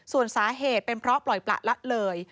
ส่วนสาเหตุเป็นเพราะปล่อยประละเลย